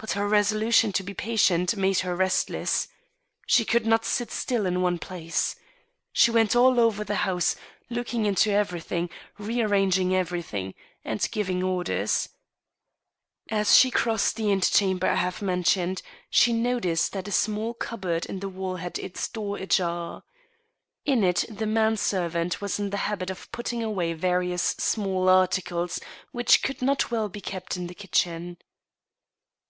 But her resolution to be patient made her restless. She could not sit still in one place. She went all over the house, looking into everything, rearranging everything, and giving orders. As she crossed the antechamber I have mentioned, she noticed that a small cupboard in the wall had its door ajar. In it the man servant was in the habit of putting away various small articles which couW not well be kept in the kitchen.